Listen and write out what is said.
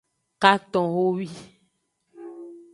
Katonhowi.